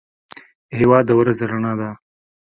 هېواد د ورځې رڼا ده.